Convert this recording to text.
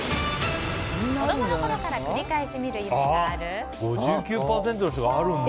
子供の頃から繰り返し見る“夢”がある？